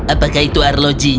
apakah itu arloji